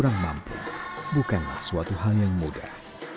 latihan terhadap keluarga kurang mampu bukanlah suatu hal yang mudah